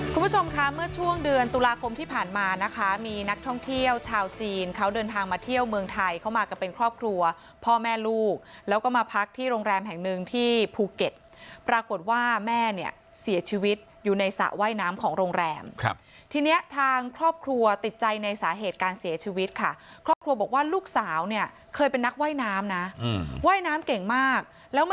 คุณผู้ชมค่ะเมื่อช่วงเดือนตุลาคมที่ผ่านมานะคะมีนักท่องเที่ยวชาวจีนเขาเดินทางมาเที่ยวเมืองไทยเข้ามากับเป็นครอบครัวพ่อแม่ลูกแล้วก็มาพักที่โรงแรมแห่งนึงที่ภูเก็ตปรากฏว่าแม่เนี่ยเสียชีวิตอยู่ในสระว่ายน้ำของโรงแรมครับทีเนี้ยทางครอบครัวติดใจในสาเหตุการเสียชีวิตค่ะครอบครัวบอก